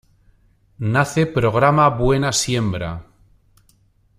Nace programa Buena Siembra.